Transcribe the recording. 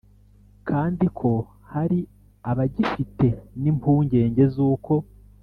kandi ko hari abagifite n impungenge z uko